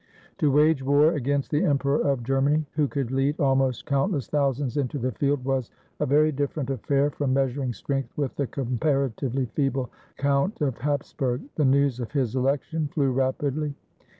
To wage war against the Emperor of Germany, who could lead almost countless thousands into the field, was a very different affair from measuring strength with the comparatively feeble Count of Hapsburg. The news of his election flew rapidly.